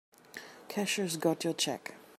Cashier's got your check.